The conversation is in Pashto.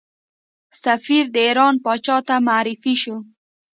سفیر د ایران پاچا ته معرفي شو.